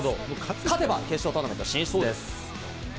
勝てば決勝トーナメント進出です。